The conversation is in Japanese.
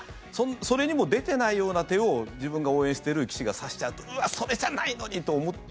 それにも出てないような手を自分が応援してる棋士が指しちゃうとうわ、それじゃないのにと思って。